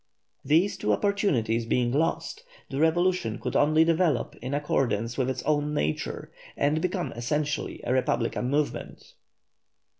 These two opportunities being lost, the revolution could only develop in accordance with its own nature and become essentially a republican movement.